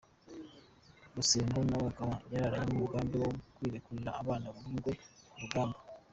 Rusengo nawe akaba yararanye umugambi wo kurekurira Abana b’Ingwe ku rugamba.